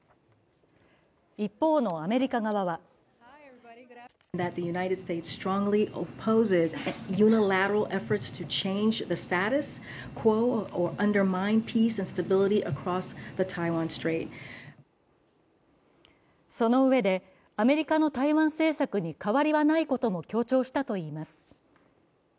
一方のアメリカ側はそのうえでアメリカの台湾政策に変わりはないことも強調したといいます。